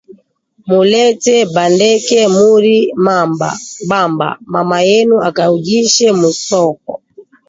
Mulete ba Ndeke muri bamba mama yenu aka ujishe mu nsoko